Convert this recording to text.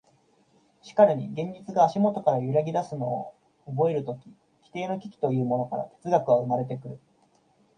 しかるに現実が足下から揺ぎ出すのを覚えるとき、基底の危機というものから哲学は生まれてくる。